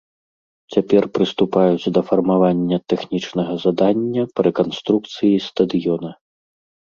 Цяпер прыступаюць да фармавання тэхнічнага задання па рэканструкцыі стадыёна.